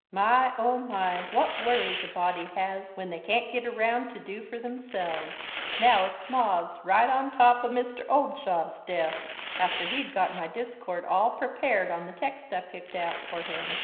My, oh, my, what worries a body has when they can't git around to do for themselves! Now it's moths, right on top of Mr. Oldshaw's death after he'd got my discourse all prepared on the text I picked out for him.